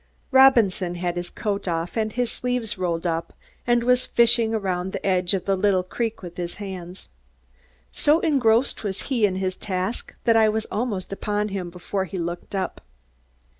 Robinson had his coat off and his sleeves rolled up and was fishing around the edge of the little creek with his hands. So engrossed was he in his task that I was almost upon him before he looked up.